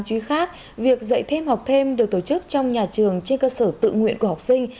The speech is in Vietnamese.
các bài hỏi được tổ chức trong nhà trường trên cơ sở tự nguyện của học sinh